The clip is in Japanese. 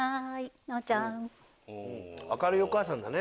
明るいお母さんだね。